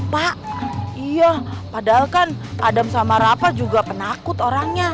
pak iya padahal kan adam sama rafa juga penakut orangnya